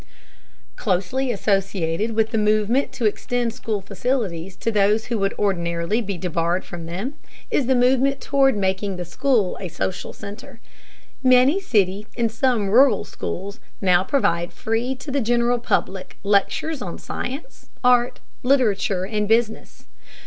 Closely associated with the movement to extend school facilities to those who would ordinarily be debarred from them, is the movement toward making the school a social center. Many city and some rural schools now provide free to the general public lectures on science, art, literature, and business.